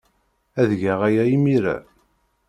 Ad geɣ aya imir-a.